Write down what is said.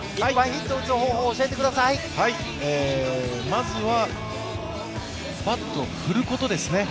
まずは、バットを振ることですね。